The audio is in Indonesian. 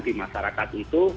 di masyarakat itu